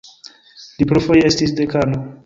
Li plurfoje estis dekano.